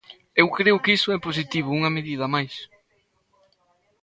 Eu creo que iso é positivo, unha medida máis.